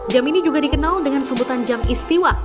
jam ini juga dikenal dengan sebutan jam istiwa